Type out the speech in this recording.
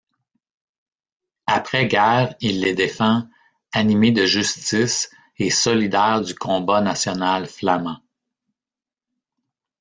Après guerre, il les défend, animé de justice et solidaire du combat national flamand.